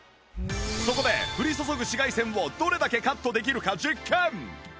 そこで降り注ぐ紫外線をどれだけカットできるか実験